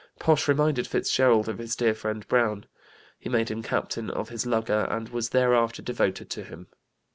Posh reminded Fitzgerald of his dead friend Browne; he made him captain of his lugger, and was thereafter devoted to him.